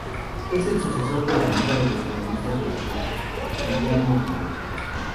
Es el sucesor de la Liga de los Comunistas Yugoslavos, filial Montenegro.